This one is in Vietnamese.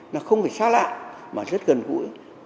nó không phải xa lạ mà rất gần gũi